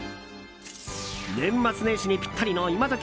年末年始にぴったりのイマドキ